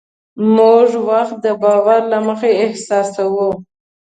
موږ وخت د باور له مخې احساسوو.